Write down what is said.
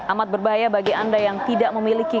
amat berbahaya bagi anda yang tidak memiliki